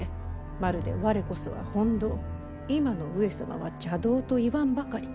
まるで「われこそは本道今の上様は邪道」と言わんばかり。